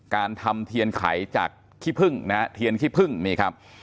การทำเทียนไขจากขี้พึ่งนะฮะเทียนขี้พึ่งนี่ครับ